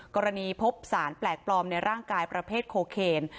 กรณีพบสารแปลกปลอมในร่างกายประเภทโคเคน